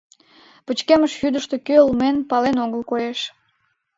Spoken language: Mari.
Пычкемыш йӱдыштӧ кӧ улмем пален огыл, коеш.